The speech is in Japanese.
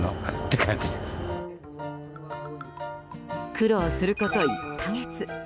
苦労すること１か月。